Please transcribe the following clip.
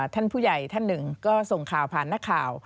ท่านผู้ใหญ่ท่านหนึ่งก็ส่งข่าวผ่านนักข่าว